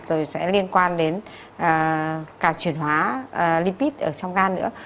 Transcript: rồi sẽ liên quan đến càng chuyển hóa lipid ở trong gan nữa